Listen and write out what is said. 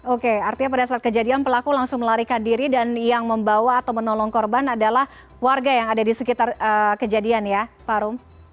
oke artinya pada saat kejadian pelaku langsung melarikan diri dan yang membawa atau menolong korban adalah warga yang ada di sekitar kejadian ya pak rum